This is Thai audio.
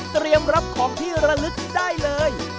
เตรียมรับของที่ระลึกได้เลย